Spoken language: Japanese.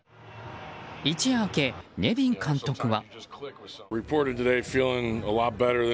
一夜明け、ネビン監督は。